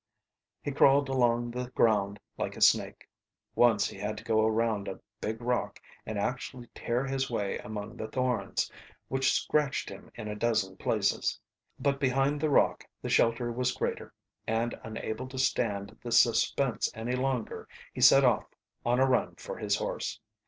He crawled along the ground like a snake. Once he had to go around a big rock and actually tear his way among the thorns, which scratched him in a dozen places. But behind the rock the shelter was greater, and unable to stand the suspense any longer he set off on a run for his horse.